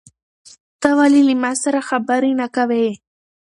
ته ولې له ما سره خبرې نه کوې؟